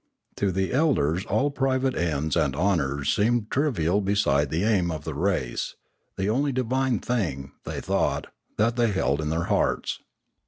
To the elders all private ends and honours seemed trivial beside the aim of the race, the only divine thing, they thought, that they held in their hearts.